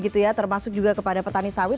termasuk juga kepada petani sawit